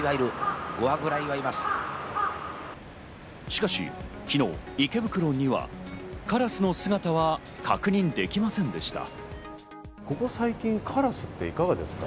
しかし昨日、池袋にはカラスの姿は確認できませんでした。